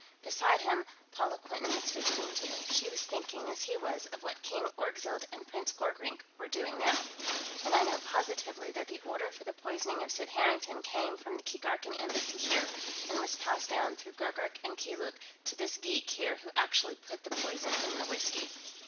Beside him, Paula Quinton was fidgeting, too; she was thinking, as he was, of what King Orgzild and Prince Gorkrink were doing now. "And I know positively that the order for the poisoning of Sid Harrington came from the Keegarkan Embassy here, and was passed down through Gurgurk and Keeluk to this geek here who actually put the poison in the whiskey."